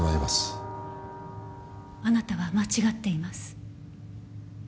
あなたは間違っています。